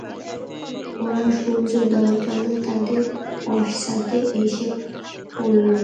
ওরা সূর্যোদয়কালে তাদের পশ্চাতে এসে পড়ল।